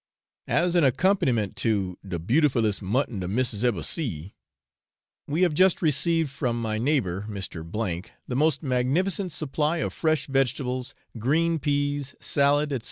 As an accompaniment to 'de beautifullest mutton de missis ever see,' we have just received from my neighbour Mr. C the most magnificent supply of fresh vegetables, green peas, salad, &c.